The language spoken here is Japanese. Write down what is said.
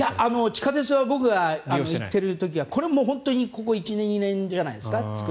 地下鉄は僕が行っている時はこれ、作ったのここ１年、２年じゃないですか。